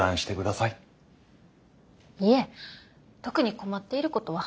いえ特に困っていることは。